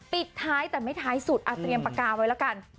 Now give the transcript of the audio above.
ปิดท้ายแต่ไม่ท้ายสุดเตรียมปากกาไว้ละกัน